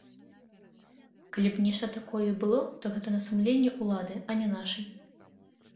Калі б нешта такое і было, то гэта на сумленні ўлады, а не нашай.